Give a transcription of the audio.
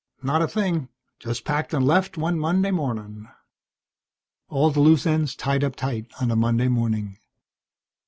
"Not a thing. Just packed and left, one Monday morning." All the loose ends tied up tight on a Monday morning.